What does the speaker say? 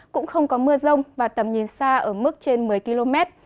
cũng không có mưa rông và tầm nhìn xa ở mức trên một mươi km